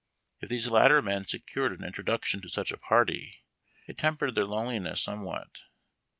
If these latter men secured an introduction to such a party, it tempered their loneliness somewhat.